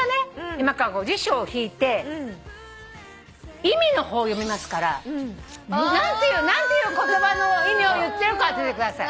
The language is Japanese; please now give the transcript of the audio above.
今から辞書を引いて意味の方を読みますから何ていう言葉の意味を言ってるか当ててください。